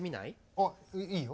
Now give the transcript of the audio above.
あっいいよ。